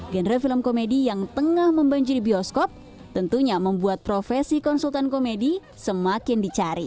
genre film komedi yang tengah membanjiri bioskop tentunya membuat profesi konsultan komedi semakin dicari